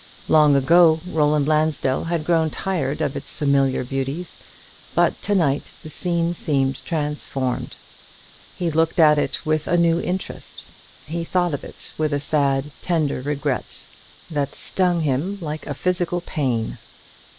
Long ago Roland Lansdell had grown tired of its familiar beauties; but to night the scene seemed transformed. He looked at it with a new interest; he thought of it with a sad tender regret, that stung him like a physical pain.